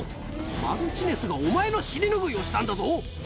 マルチネスがお前の尻拭いをしたんだぞ。